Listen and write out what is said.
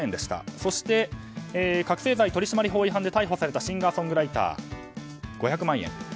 そして覚醒剤取締法違反で逮捕されたシンガーソングライター５００万円。